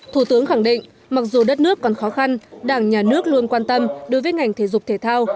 thủ tướng khẳng định mặc dù đất nước còn khó khăn đảng nhà nước luôn quan tâm đối với ngành thể dục thể thao